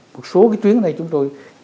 một số cái chuyến này chúng tôi